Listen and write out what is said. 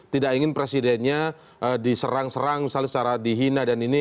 tidak ingin presidennya diserang serang misalnya secara dihina dan ini